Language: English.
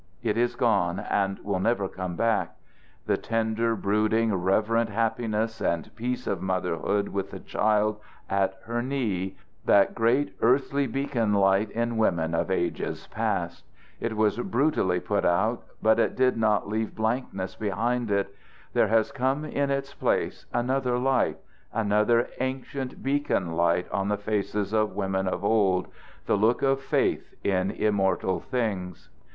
It is gone, and will never come back the tender, brooding, reverent happiness and peace of motherhood with the child at her knee that great earthly beacon light in women of ages past. It was brutally put out but it did not leave blankness behind it. There has come in its place another light, another ancient beacon light on the faces of women of old the look of faith in immortal things.